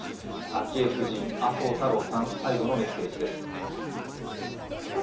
昭恵夫人、麻生太郎さん、最後のメッセージです。